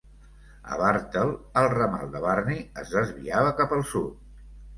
A Bartle, el ramal de Burney es desviava cap al sud.